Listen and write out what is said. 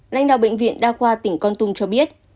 lãnh đạo bệnh viện đa khoa tỉnh con tum cho biết